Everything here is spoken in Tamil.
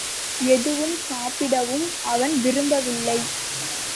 எதுவும் சாப்பிடவும் அவன் விரும்பவில்லை.